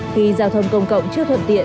khi giao thông công cộng chưa thuận tiện